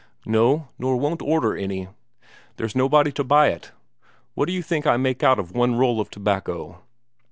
"No, nor won't order any. There's nobody to buy it. What d'you think I make out of one roll of tobacco?"